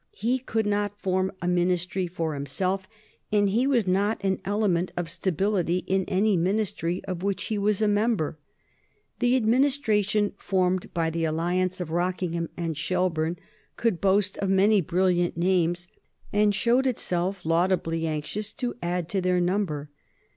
He could not form a Ministry for himself, and he was not an element of stability in any Ministry of which he was a member. The Administration formed by the alliance of Rockingham and Shelburne could boast of many brilliant names, and showed itself laudably anxious to add to their number.